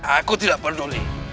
aku tidak peduli